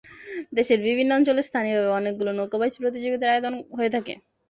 দেশের বিভিন্ন অঞ্চলে স্থানীয়ভাবে অনেকগুলো নৌকা বাইচ প্রতিযোগিতার আয়োজন হয়ে থাকে।